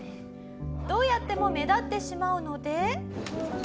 どうやっても目立ってしまうので。